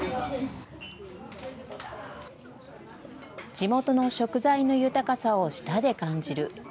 地元の食材の豊かさを舌で感じる。